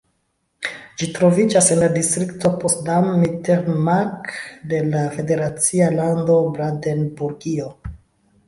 Ĝi troviĝas en la distrikto Potsdam-Mittelmark de la federacia lando Brandenburgio.